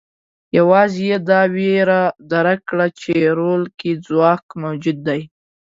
یوازې یې دا وېره درک کړې چې رول کې ځواک موجود دی.